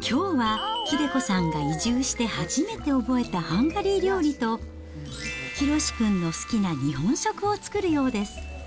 きょうは英子さんが移住して初めて覚えたハンガリー料理と、ヒロシ君の好きな日本食を作るようです。